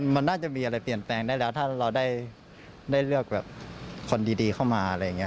มันน่าจะมีอะไรเปลี่ยนแปลงได้แล้วถ้าเราได้เลือกเขาดีเข้ามา